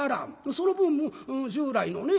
その分従来のね